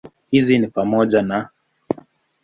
Hizi ni pamoja na